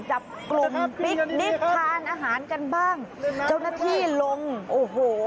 จับกลุ่มปิ๊กนิกทานอาหารกันบ้างเจ้าหน้าที่ลงโอ้โห